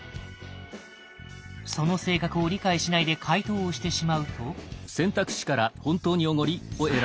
その性格を理解しないで回答をしてしまうと。